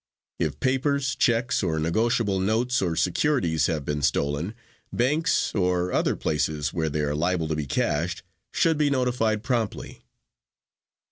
If papers, checks or negotiable notes or securities have been stolen, banks or other places where they are liable to be cashed should be notified promptly.